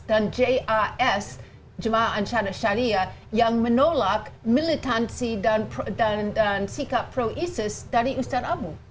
dan jas jemaah ansar syariah yang menolak militansi dan sikap pro isis dari ustaz abu